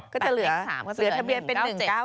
ก็จะเหลือทะเบียนเป็น๑๙๙